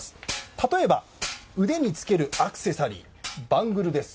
例えば腕につけるアクセサリーバングルです。